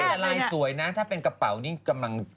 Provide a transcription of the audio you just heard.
แต่ลายสวยนะถ้าเป็นกระเป๋านี่กำลัง